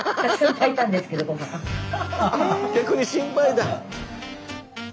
逆に心配だ！